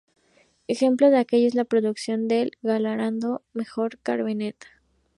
Ejemplo de aquello es la producción del galardonado mejor cabernet.